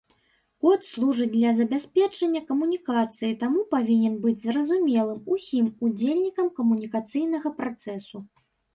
Код служыць для забеспячэння камунікацыі, таму павінен быць зразумелым усім удзельнікам камунікацыйнага працэсу.